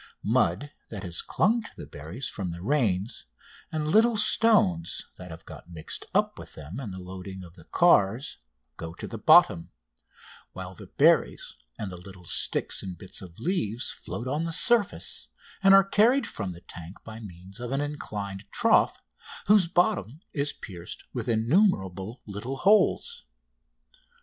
Mud that has clung to the berries from the rains, and little stones which have got mixed up with them in the loading of the cars, go to the bottom, while the berries and the little sticks and bits of leaves float on the surface and are carried from the tank by means of an inclined trough, whose bottom is pierced with innumerable little holes.